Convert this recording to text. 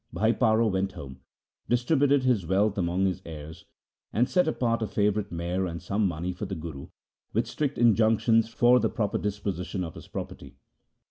Bhai Paro went home, distributed his wealth among his heirs, and set apart a favourite mare and some money for the Guru, with strict injunctions for the proper disposition of his property.